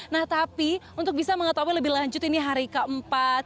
nah tapi untuk bisa mengetahui lebih lanjut ini hari keempat